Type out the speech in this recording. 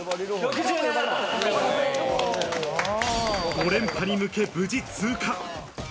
５連覇に向け、無事通過。